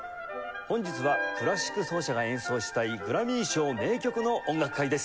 本日は「クラシック奏者が演奏したいグラミー賞名曲の音楽会」です。